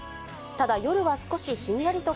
ただ夜は少しひんやりと